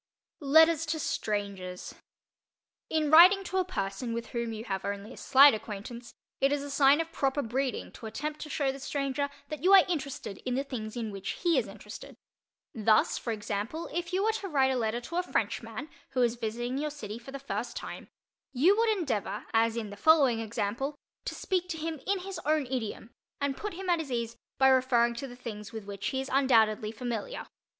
LETTERS TO STRANGERS In writing to a person with whom you have only a slight acquaintance, it is a sign of proper breeding to attempt to show the stranger that you are interested in the things in which he is interested. Thus, for example, if you were to write a letter to a Frenchman who was visiting your city for the first time, you would endeavor, as in the following example, to speak to him in his own idiom and put him at his ease by referring to the things with which he is undoubtedly familiar.